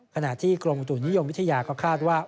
ขณะที่กรมอุตุนิยมวิทยาก็คาดว่า